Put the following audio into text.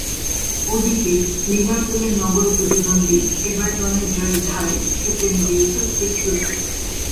ওদিকে লিভারপুলের নগর প্রতিদ্বন্দ্বী এভারটনের জয়ের ধারায় ছেদ টেনে দিয়েছে ক্রিস্টাল প্যালেস।